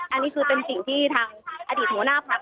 อันนี้คือเป็นสิ่งที่ทางอดีตหัวหน้าพัก